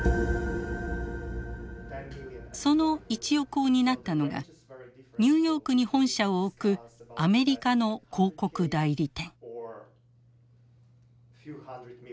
その一翼を担ったのがニューヨークに本社を置くアメリカの広告代理店。